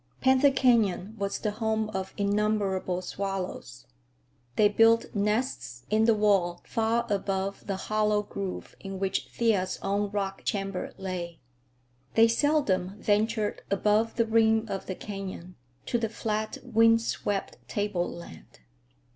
Panther Canyon was the home of innumerable swallows. They built nests in the wall far above the hollow groove in which Thea's own rock chamber lay. They seldom ventured above the rim of the canyon, to the flat, wind swept tableland.